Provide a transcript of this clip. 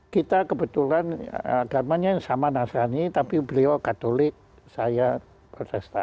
kita kebetulan agamanya sama nasrani tapi beliau katolik saya protesta